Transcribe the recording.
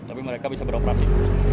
tapi mereka bisa beroperasi